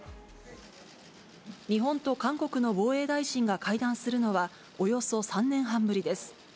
日本と韓国の防衛大臣が会談するのは、およそ３年半ぶりです。